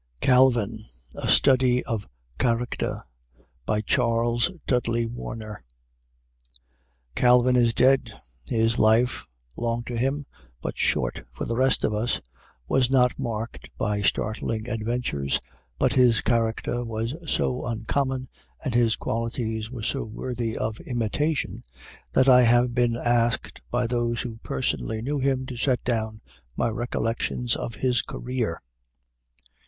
CALVIN A STUDY OF CHARACTER CHARLES DUDLEY WARNER Calvin is dead. His life, long to him, but short for the rest of us, was not marked by startling adventures, but his character was so uncommon and his qualities were so worthy of imitation, that I have been asked by those who personally knew him to set down my recollections of his career.